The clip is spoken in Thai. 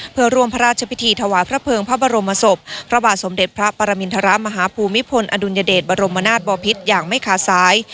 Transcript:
เพื่อร่วมพระราชพิธีถวายพระเภิงพระบรมศพพระบาทสมเด็จพระปรมินทรมาฮภูมิพลอดุลยเดชบรมนาศบอพิษอย่างไม่ขาดซ้าย